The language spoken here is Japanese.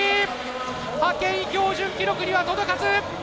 派遣標準記録には届かず！